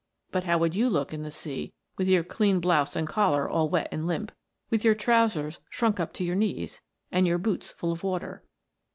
But how would you look in the sea with your clean blouse and collar all wet and limp, with your trousers shrank up to your knees, and your boots full of water?